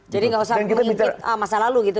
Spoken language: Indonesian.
jadi gak usah mengingat masa lalu gitu